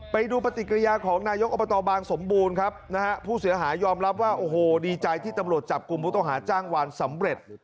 ไปดูปฏิกิริยาของนายกอบตบางสมบูรณ์ครับนะฮะผู้เสียหายยอมรับว่าโอ้โหดีใจที่ตำรวจจับกลุ่มผู้ต้องหาจ้างวานสำเร็จ